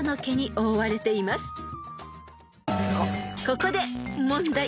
［ここで］